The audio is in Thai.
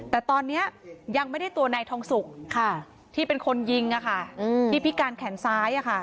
แต่ตอนนี้ยังไม่ได้ตัวนายทองสุกที่เป็นคนยิงที่พิการแขนซ้าย